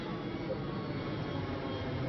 কোনো দরকার নেই, প্লিজ ছেড়ে দাও।